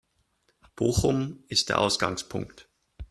Bochum ist der Ausgangspunkt.